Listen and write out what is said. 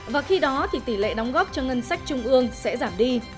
và khi đó thì tỷ lệ đóng góp cho ngân sách trung ương sẽ giảm đi